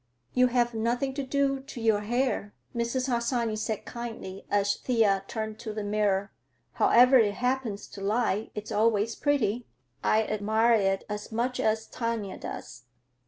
"You have nothing to do to your hair," Mrs. Harsanyi said kindly, as Thea turned to the mirror. "However it happens to lie, it's always pretty. I admire it as much as Tanya does."